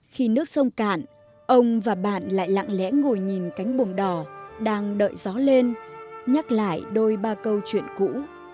khi nước sông cạn ông và bạn lại lặng lẽ ngồi nhìn cánh bùm đỏ đang đợi gió lên nhắc lại đôi ba câu chuyện cũ